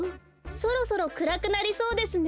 そろそろくらくなりそうですね。